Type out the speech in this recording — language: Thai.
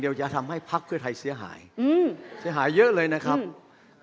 เดี๋ยวจะทำให้พักเพื่อไทยเสียหายอืมเสียหายเยอะเลยนะครับอืม